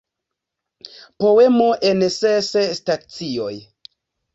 Poemo en ses stacioj".